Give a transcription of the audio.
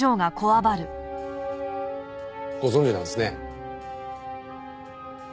ご存じなんですね。